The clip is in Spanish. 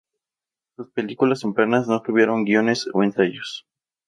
Sus películas tempranas no tuvieron guiones o ensayos.